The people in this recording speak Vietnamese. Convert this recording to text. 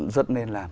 rất nên làm